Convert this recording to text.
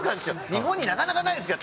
日本のなかなかないですから。